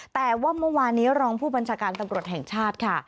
แต่ว่าเมื่อวานนี้รองผู้บัญชาการตำรวจแห่งชาติค่ะ